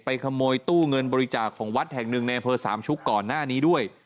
ขโมยตู้เงินบริจาคของวัดแห่งหนึ่งในอำเภอสามชุกก่อนหน้านี้ด้วย